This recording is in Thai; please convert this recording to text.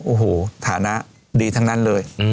โอ้โหฐานะดีทั้งนั้นเลย